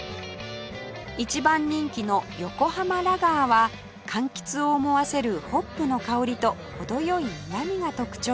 一番人気の横浜ラガーは柑橘を思わせるホップの香りと程良い苦みが特徴